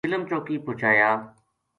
چلم چوکی پوہچایا